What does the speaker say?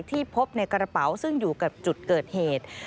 ที่พบในกระเป๋าซึ่งอยู่กับจุดเกิดเหตุ